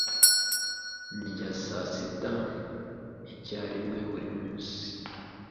Ndya saa sita icyarimwe buri munsi.